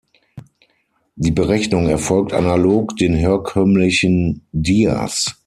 Die Berechnung erfolgt analog den herkömmlichen Dias.